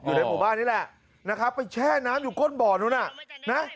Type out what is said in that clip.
อยู่ในหมู่บ้านนี้แหละไปแช่น้ำอยู่ก้นบ่อนู้น